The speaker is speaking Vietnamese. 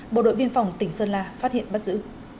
bộ đội biên phòng tỉnh sơn la phát hiện bắt giữ